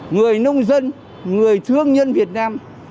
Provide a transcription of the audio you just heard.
người nông dân người thương nhân việt nam